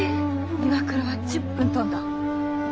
岩倉は１０分飛んだ。